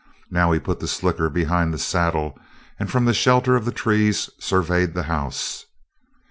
Now he put the slicker behind the saddle, and from the shelter of the trees surveyed the house.